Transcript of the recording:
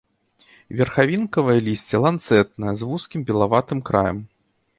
Верхавінкавае лісце ланцэтнае з вузкім белаватым краем.